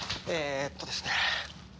えーとですね。